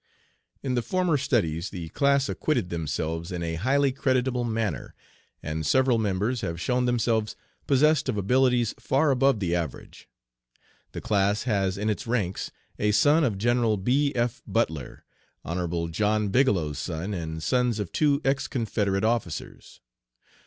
In the former studies the class acquitted themselves in a highly creditable manner, and several members have shown themselves possessed of abilities far above the average. The class has in its ranks a son of General B. F. Butler, Hon. John Bigelow's son, and sons of two ex Confederate officers.